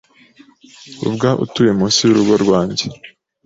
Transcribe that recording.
Rubwa utuye munsi y'urugo rwanjye